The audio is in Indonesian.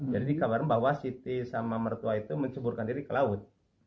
jadi dikabar bahwa siti sama mertua itu menceburkan diri ke laut